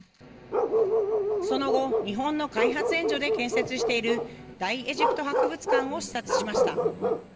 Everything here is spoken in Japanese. その後、日本の開発援助で建設している大エジプト博物館を視察しました。